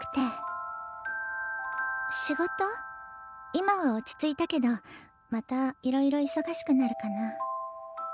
今は落ち着いたけどまたいろいろ忙しくなるかな。